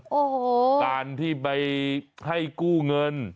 โอ้โหการที่ไปให้กู้เงิน